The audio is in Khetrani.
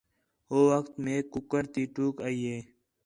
ہو وخت میک کُکڑ تی ٹوک ای ہے